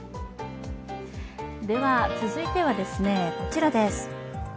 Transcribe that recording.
続いては、こちらです。